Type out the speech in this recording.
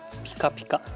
ピカピカ。